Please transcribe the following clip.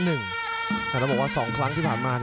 แต่ต้องบอกว่า๒ครั้งที่ผ่านมา